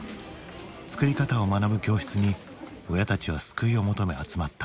作り方を学ぶ教室に親たちは救いを求め集まった。